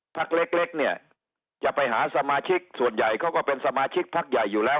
พักเล็กเนี่ยจะไปหาสมาชิกส่วนใหญ่เขาก็เป็นสมาชิกพักใหญ่อยู่แล้ว